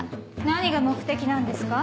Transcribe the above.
何が目的なんですか？